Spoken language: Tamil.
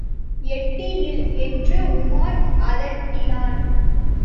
எட்டி நில்! என்று உமார் அதட்டினான்.